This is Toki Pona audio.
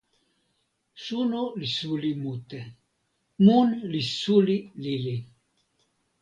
suno li suli mute. mun li suli lili.